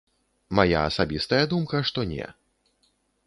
Мая асабістая думка, што не.